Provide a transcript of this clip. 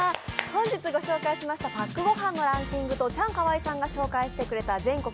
本日ご紹介しましたパックご飯のランキングとチャンカワイさんが紹介してくれた全国